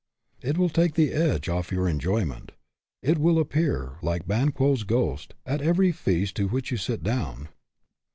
It will take the edge off your enjoyment. It will appear, like Banquo's ghost, at every feast to which you sit down.